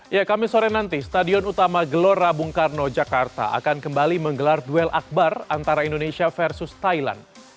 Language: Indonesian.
ya kami sore nanti stadion utama gelora bung karno jakarta akan kembali menggelar duel akbar antara indonesia versus thailand